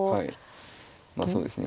まあそうですね